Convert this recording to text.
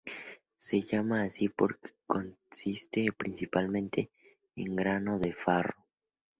Se llama así porque consiste principalmente en grano de farro.